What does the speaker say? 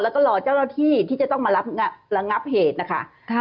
แล้วก็รอเจ้าหน้าที่ที่จะต้องมารับระงับเหตุนะคะ